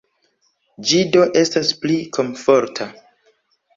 Ĝi do estas pli komforta.